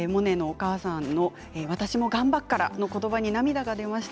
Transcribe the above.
私も頑張っからのことばに涙が出ました。